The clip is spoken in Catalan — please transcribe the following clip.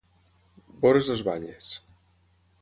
Veure's les banyes.